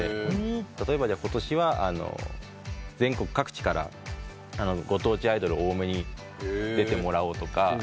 例えばことしは全国各地からご当地アイドル多めに出てもらおうとか。